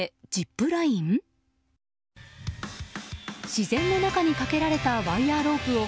自然の中にかけられたワイヤロープを